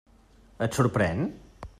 Et sorprèn?